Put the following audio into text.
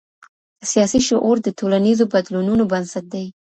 سياسي شعور د ټولنيزو بدلونونو بنسټ دی.